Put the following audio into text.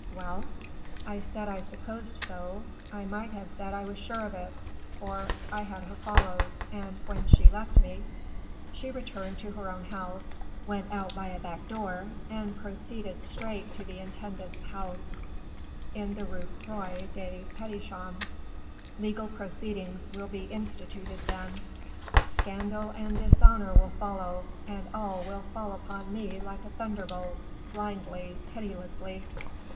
"Well?" "I said I supposed so; I might have said I was sure of it, for I had her followed, and, when she left me, she returned to her own house, went out by a back door, and proceeded straight to the intendant's house in the Rue Croix des Petits Champs." "Legal proceedings will be instituted, then, scandal and dishonor will follow; and all will fall upon me like a thunderbolt, blindly, pitilessly."